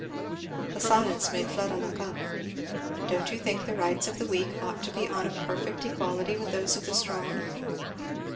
The silence made Fleda look up. "Don't you think that the rights of the weak ought to be on a perfect equality with those of the strong?"